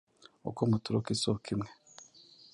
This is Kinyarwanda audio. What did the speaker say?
Uko muturuka isoko imwe,